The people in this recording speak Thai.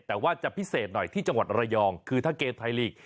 แต่ว่าจะพิเศษหน่อยที่จังหวัดระยองคือถ้าเกมไทยลีก